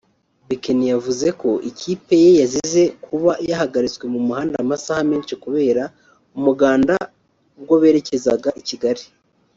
Bekeni yavuze ko ikipe ye yazize kuba yahagaritswe mu muhanda amasaha menshi kubera umuganda ubwo berekezaga i Kigali